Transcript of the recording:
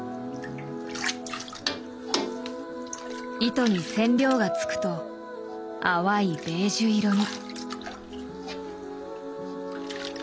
糸に染料がつくと淡いベージュ色に。